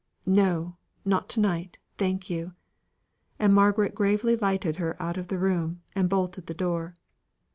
"No! not to night, thank you." And Margaret gravely lighted her out of the room, and bolted the door.